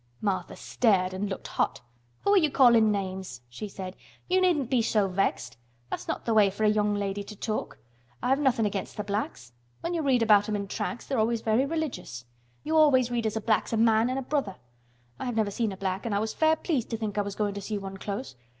Martha stared and looked hot. "Who are you callin' names?" she said. "You needn't be so vexed. That's not th' way for a young lady to talk. I've nothin' against th' blacks. When you read about 'em in tracts they're always very religious. You always read as a black's a man an' a brother. I've never seen a black an' I was fair pleased to think I was goin' to see one close.